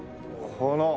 この。